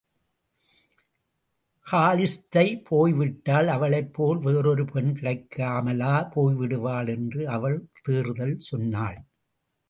காலிஸ்தை போய்விட்டால், அவளைப் போல் வேறொரு பெண் கிடைக்காமலா போய்விடுவாள் என்று அவள் தேறுதல் சொன்னாள்.